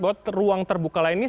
bahwa ruang terbuka lain ini